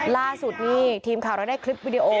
ล่าสุดนี่ทีมข่าวเราได้คลิปวิดีโอ